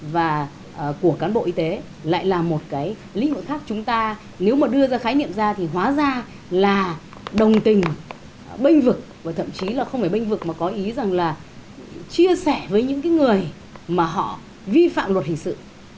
và của cán bộ y tế lại là một cái lĩnh vực khác chúng ta nếu mà đưa ra khái niệm ra thì hóa ra là đồng tình bênh vực và thậm chí là không phải bênh vực mà có ý rằng là chia sẻ với những người mà họ vi phạm luật hình sự